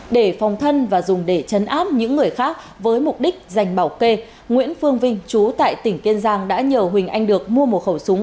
để phòng thân và dùng để chấn áp những người khác với mục đích dành bảo kê nguyễn phương vinh chú tại tỉnh kiên giang đã nhờ huỳnh anh được mua một khẩu súng